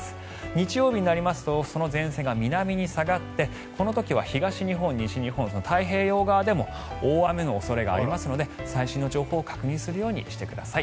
日曜日になりますとその前線が南に下がってこの時は東日本、西日本太平洋側でも大雨の恐れがありますので最新の情報を確認するようにしてください。